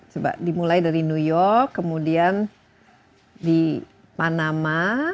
coba dimulai dari new york kemudian di manama